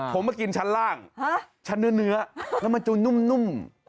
ผมมากินชั้นล่างชั้นเนื้อแล้วมันจะนุ่ม